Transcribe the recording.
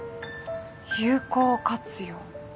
有効活用。